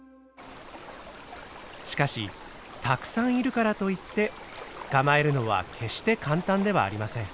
しかしたくさんいるからといって捕まえるのは決して簡単ではありません。